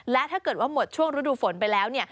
และถ้าเกิดว่าหมดช่วงฤดูฝนไปแล้ว